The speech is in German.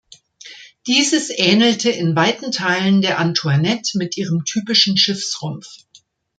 Dieses ähnelte in weiten Teilen der Antoinette mit ihrem typischen Schiffsrumpf.